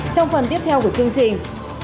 trong phần tiếp theo của chương trình